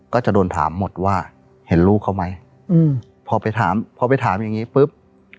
ก็จะโดนถามหมดว่าเห็นลูกเขาไหมอืมพอไปถามพอไปถามอย่างนี้ปุ๊บ